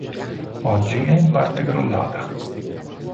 Oggi è in parte crollata.